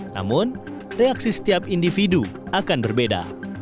namun reaksi setiap individu akan berbeda